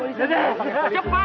bisa dibantu polisi